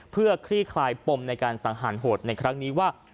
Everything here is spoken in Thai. เพื่อคลี่คลายปมในการสังหารโหดในครั้งนี้ว่า